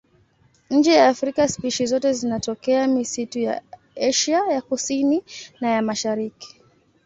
Nje ya Afrika spishi zote zinatokea misitu ya Asia ya Kusini na ya Mashariki.